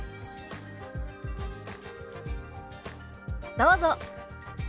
どうぞ。